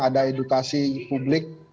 ada edukasi publik